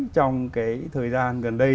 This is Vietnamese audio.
trong cái thời gian gần đây